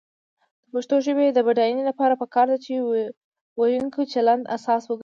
د پښتو ژبې د بډاینې لپاره پکار ده چې ویونکو چلند اساس وګرځي.